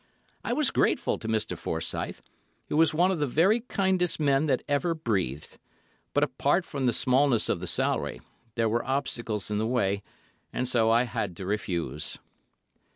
I was grateful to Mr. Forsyth, who was one of the very kindest men that ever breathed, but apart from the smallness of the salary, there were obstacles in the way, and so I had to refuse.